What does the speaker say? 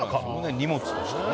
荷物としてね。